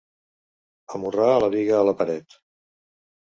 Amorrar la biga a la paret.